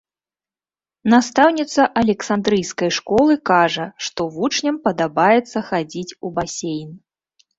Настаўніца александрыйскай школы кажа, што вучням падабаецца хадзіць у басейн.